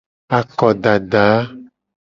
Akodadaka.